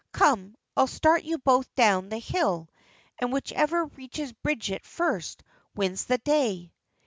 "Come, I'll start you both down the hill, and whichever reaches Bridget first wins the day."